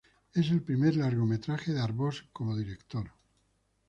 Es el primer largometraje de Arbós como director.